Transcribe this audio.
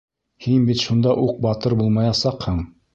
Һин бит шунда уҡ батыр булмаясаҡһың.